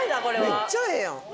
めっちゃええやん。